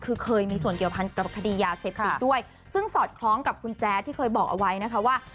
คือเคยมีส่วนเกี่ยวพันกับคดียาเสพติดด้วยซึ่งสอดคล้องกับคุณแจ๊ดที่เคยบอกเอาไว้นะคะว่า